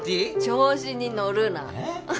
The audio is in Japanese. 調子に乗るな！